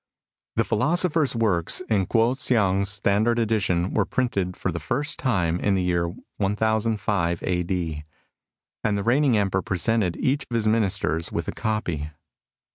The philosopher's works, in Kuo Hsiang's standard ^tion, were printed for the first time in the year 1005 a.d., and the reigning Emperor presented each of his Ministers with a copy.